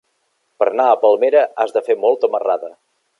Per anar a Palmera has de fer molta marrada.